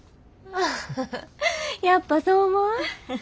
ハハハハやっぱそう思う？